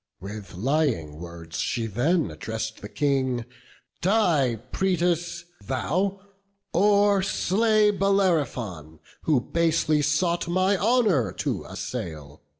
With lying words she then address'd the King: 'Die, Proetus, thou, or slay Bellerophon, Who basely sought my honour to assail.